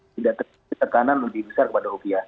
tidak terjadi tekanan lebih besar kepada rupiah